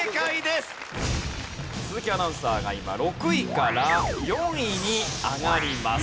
鈴木アナウンサーが今６位から４位に上がります。